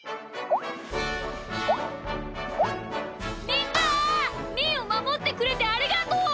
みんなみーをまもってくれてありがとう！